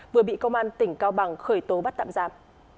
vừa bị công an tỉnh cao bằng khởi tố bắt tạm giam